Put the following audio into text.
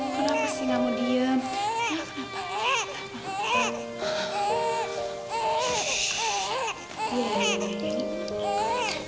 kenapa sih gak mau diem